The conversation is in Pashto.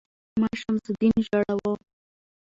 ـ ما شمس الدين ژاړو